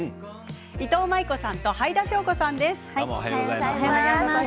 いとうまい子さんとはいだしょうこさんです。